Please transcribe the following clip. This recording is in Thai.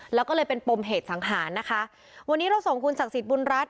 แล้วก็เลยเป็นปมเหตุสังหารนะคะวันนี้เราส่งคุณศักดิ์สิทธิบุญรัฐ